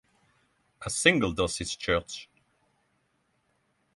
A single-diocese church.